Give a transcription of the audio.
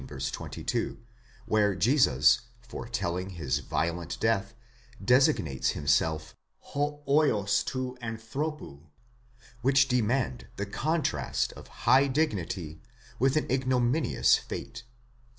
22, where Jesus, foretelling his violent death, designates himself ὁ vids tod ἀνθρώπου) which demand the contrast of high dignity with an ignominious fate.